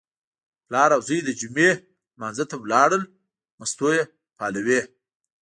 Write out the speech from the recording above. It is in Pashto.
پلار او زوی د جمعې لمانځه ته لاړل، مستو یې پالوې.